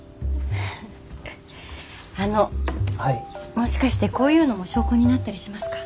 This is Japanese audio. もしかしてこういうのも証拠になったりしますか？